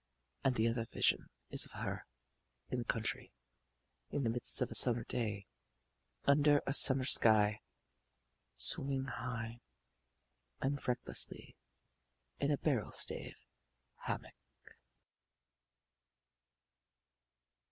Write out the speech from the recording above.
And the other vision is of her in the country in the midst of a summer day, under a summer sky, swinging high and recklessly in a barrel stave hammock.